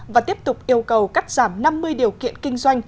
và tiếp tục yêu cầu cắt giảm năm mươi điều kiện kinh doanh